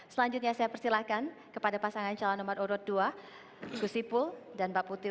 selanjutnya saya persilahkan kepada pasangan calon nomor orot dua bu sipul dan mbak putih